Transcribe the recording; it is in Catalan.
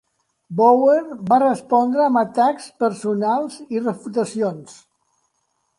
Bower va respondre amb atacs personals i refutacions.